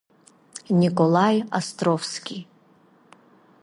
Николаи Островски.